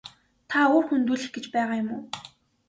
Та үр хөндүүлэх гэж байгаа юм уу?